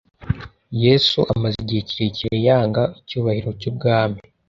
Yesu amaze igihe kirekire yanga icyubahiro cy'ubwami